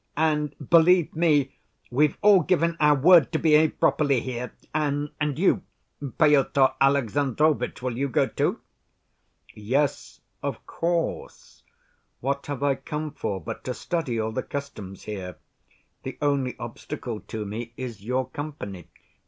"And, believe me, we've all given our word to behave properly here.... And you, Pyotr Alexandrovitch, will you go, too?" "Yes, of course. What have I come for but to study all the customs here? The only obstacle to me is your company...."